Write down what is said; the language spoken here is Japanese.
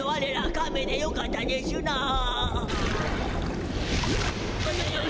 カメでよかったでしゅな。